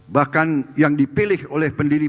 bahkan yang dipilih oleh pendiri